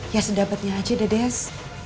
ya sedapetnya aja ya des